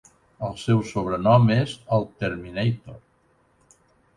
El seu sobrenom és "el Terminator".